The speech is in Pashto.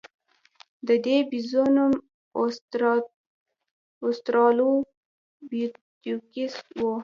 د دې بیزو نوم اوسترالوپیتکوس و.